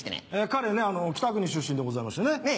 彼北国出身でございましてね。